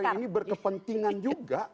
yang hari ini berkepentingan juga